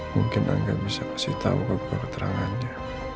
mungkin angga bisa kasih tahu keberketerangannya